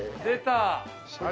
出た！